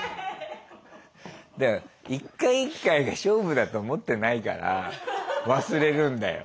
だから一回一回が勝負だと思ってないから忘れるんだよ。